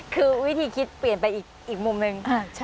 คือวิธีคิดเปลี่ยนไปอีกมุมหนึ่ง